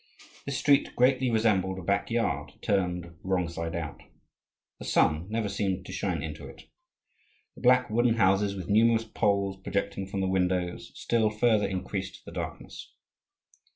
This street greatly resembled a back yard turned wrong side out. The sun never seemed to shine into it. The black wooden houses, with numerous poles projecting from the windows, still further increased the darkness.